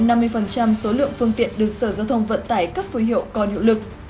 nằm số lượng phương tiện được sở giao thông vận tải cấp phối hiệu còn hiệu lực